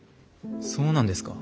そうなんですか？